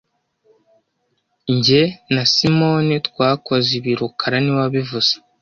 Jye na Simoni twakoze ibi rukara niwe wabivuze